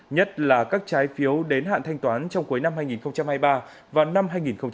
nhất là các trái phiếu đến hạn thanh toán trong cuối năm hai nghìn hai mươi ba và năm hai nghìn hai mươi bốn